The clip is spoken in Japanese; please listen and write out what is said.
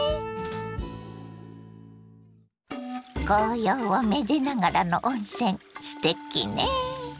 紅葉をめでながらの温泉すてきね。